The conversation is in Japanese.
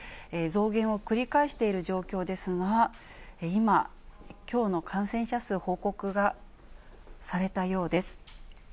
増減を繰り返している状況ですが、今、きょうの感染者数、報告がされたようです。